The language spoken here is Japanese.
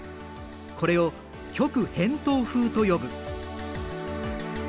これを極偏東風と呼ぶ。